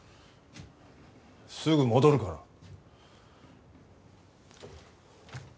すぐ戻るから。